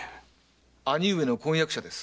兄上の婚約者です。